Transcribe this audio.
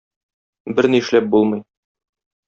Берни эшләп булмый.